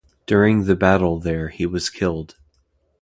During the battle there he was killed.